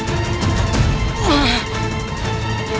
aku tidak tahu